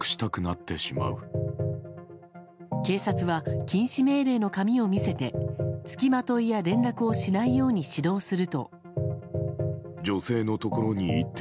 警察は、禁止命令の紙を見せてつきまといや連絡をしないように指導すると。